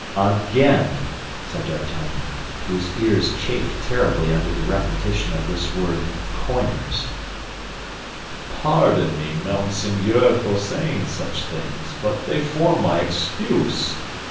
"Again!" said D'Artagnan, whose ears chafed terribly under the repetition of this word coiners. "Pardon me, monseigneur, for saying such things, but they form my excuse.